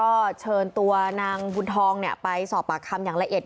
ก็เชิญตัวนางบุญทองไปสอบปากคำอย่างละเอียด